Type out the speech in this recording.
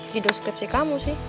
judul skripsi kamu sih